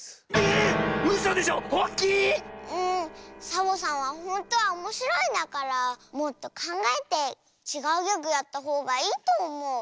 サボさんはほんとはおもしろいんだからもっとかんがえてちがうギャグやったほうがいいとおもう。